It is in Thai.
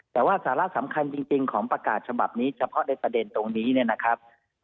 แต่ว่าสาระสำคัญจริงของประกาศฉบับนี้เฉพาะในประเด็นตรงนี้เนี่ยนะครับ